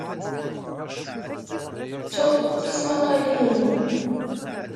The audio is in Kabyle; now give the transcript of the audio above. Ttuɣ tismaqqalin-inu.